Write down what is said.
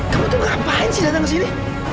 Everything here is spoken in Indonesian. kamu tuh ngapain sih datang kesini